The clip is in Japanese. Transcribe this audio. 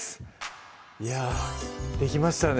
いやぁできましたね